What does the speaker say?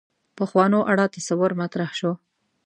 پخوانو اړه تصور مطرح شو.